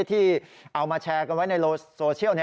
ที่เอามาแชร์กันไว้ในโซเชียล